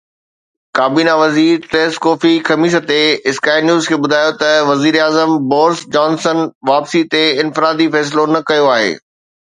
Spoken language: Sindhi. ڪابينا وزير ٿريس ڪوفي خميس تي اسڪائي نيوز کي ٻڌايو ته وزير اعظم بورس جانسن واپسي تي انفرادي فيصلو نه ڪيو آهي.